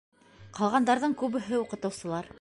Ҡалғандарҙың күбеһе уҡытыусылар.